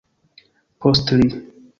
Post tri...